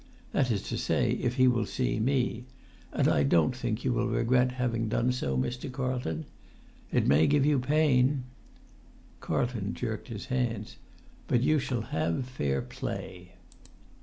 That is to say, if he will[Pg 68] see me; and I don't think you will regret having done so, Mr. Carlton. It may give you pain——" Carlton jerked his hands. "But you shall have fair play!"